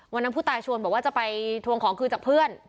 วันนั้นผู้ตายชวนบอกว่าจะไปทวงของคืนจากเพื่อน